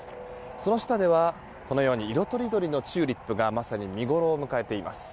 その下では色とりどりのチューリップがまさに見ごろを迎えています。